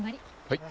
はい。